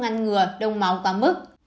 ngăn ngừa đông máu quá mức